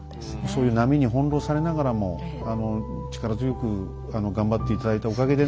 そういう波に翻弄されながらも力強く頑張って頂いたおかげでね